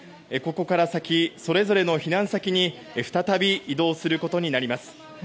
ここから先、それぞれの避難先に再び移動することになります。